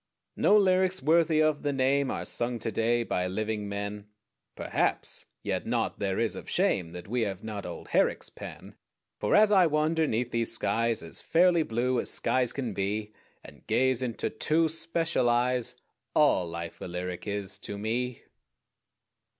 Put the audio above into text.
No lyrics worthy of the name Are sung to day by living men? Perhaps! Yet naught is there of shame That we have not old Herrick's pen, For as I wander 'neath these skies As fairly blue as skies can be And gaze into two special eyes, All life a lyric is to me.